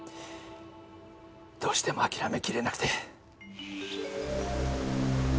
どうしても諦めきれなくて。